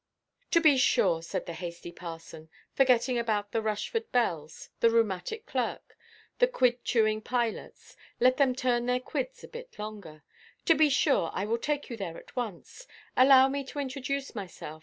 "To be sure," said the hasty parson, forgetting about the Rushford bells, the rheumatic clerk, and the quid–chewing pilots—let them turn their quids a bit longer—"to be sure, I will take you there at once. Allow me to introduce myself.